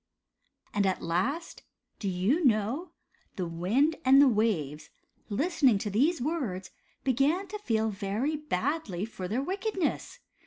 And at last, do you know, the wind and the waves, listening to these words, began to feel very badly for their wickedness.